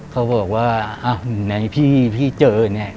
เขาบอกว่าอ้าวไหนพี่พี่เจอเนี่ย